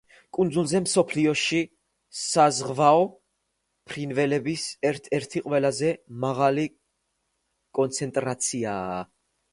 კუნძულზე მსოფლიოში საზღვაო ფრინველების ერთ-ერთი ყველაზე მაღალი კონცენტრაციაა.